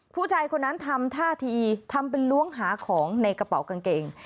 ผู้ชายคนนั้นทำท่าทีทำเป็นล้วงหาของในกระเป๋ากางเกง